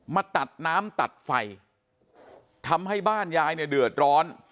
มาตัดน้ำตัดไฟทำให้บ้านยายเนี่ยเดือดร้อน